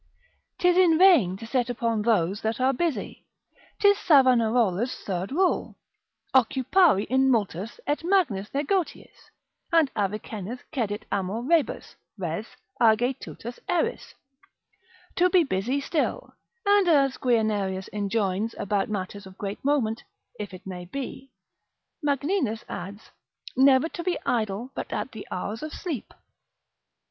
'Tis in vain to set upon those that are busy. 'Tis Savanarola's third rule, Occupari in multis et magnis negotiis, and Avicenna's precept, cap. 24. Cedit amor rebus; res, age tutus eris. To be busy still, and as Guianerius enjoins, about matters of great moment, if it may be. Magninus adds, Never to be idle but at the hours of sleep.